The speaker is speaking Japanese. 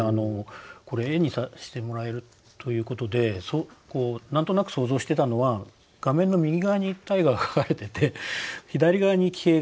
これ絵にしてもらえるということで何となく想像してたのは画面の右側に大河が描かれてて左側に騎兵が。